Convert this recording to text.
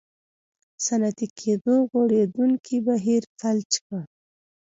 صنعتي کېدو غوړېدونکی بهیر فلج کړل.